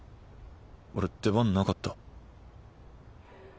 俺出番なかった？